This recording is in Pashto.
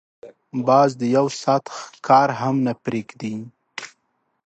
باز د یو ساعت ښکار هم نه پریږدي